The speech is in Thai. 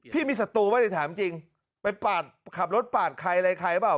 พี่มีศัตรูไหมเนี่ยถามจริงไปขับรถปาดใครอะไรใครบ้าง